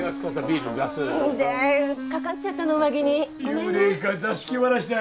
幽霊か座敷わらしだ。